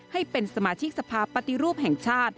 ให้เป็นสมาชิกสภาพปฏิรูปแห่งชาติ